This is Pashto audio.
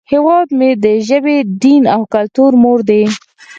هیواد مې د ژبې، دین، او کلتور مور دی